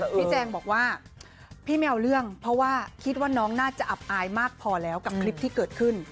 แจงบอกว่าพี่ไม่เอาเรื่องเพราะว่าคิดว่าน้องน่าจะอับอายมากพอแล้วกับคลิปที่เกิดขึ้น